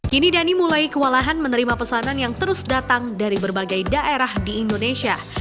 kini dhani mulai kewalahan menerima pesanan yang terus datang dari berbagai daerah di indonesia